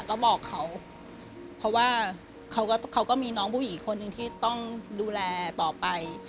ก็บอกเขาเพราะว่าเขาก็มีน้องผู้หญิงอีกคนนึงที่ต้องดูแลต่อไป